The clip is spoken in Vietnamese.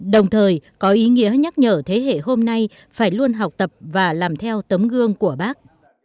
đồng thời có ý nghĩa nhắc nhở thế hệ hôm nay phải luôn học tập và làm theo tấm gương của bác